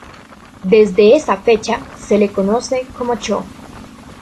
Desde esa fecha, se lo conoce como Chō.